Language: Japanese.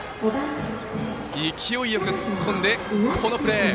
勢いよく突っ込んで、このプレー。